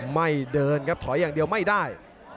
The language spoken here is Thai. ไม่เดินครับถอยอย่างเดียวไม่ได้